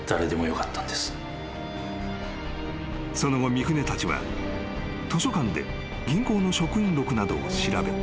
［その後三船たちは図書館で銀行の職員録などを調べ